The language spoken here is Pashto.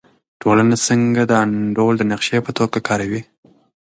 ټولنه څنګه د انډول د نقشې په توګه کاروي؟